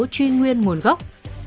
truy nguyên nguồn gốc